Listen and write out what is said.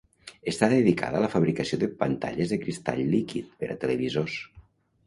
Està dedicada a la fabricació de pantalles de cristall líquid per a televisors.